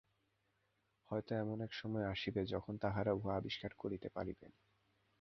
হয়তো এমন সময় আসিবে, যখন তাঁহারা উহা আবিষ্কার করিতে পারিবেন।